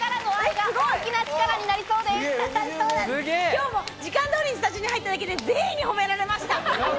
今日も時間通りにスタジオに入っただけで全員に褒められました。